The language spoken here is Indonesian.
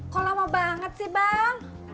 kok lama banget sih bang